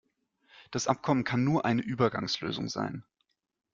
Das Abkommen kann nur eine Übergangslösung sein.